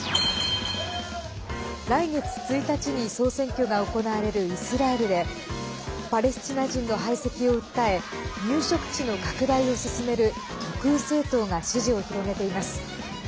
来月１日に総選挙が行われるイスラエルでパレスチナ人の排斥を訴え入植地の拡大を進める極右政党が支持を広げています。